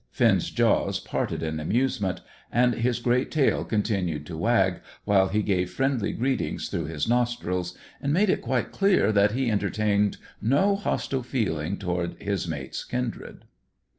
Finn's jaws parted in amusement, and his great tail continued to wag, while he gave friendly greeting through his nostrils, and made it quite clear that he entertained no hostile feeling towards his mate's kindred.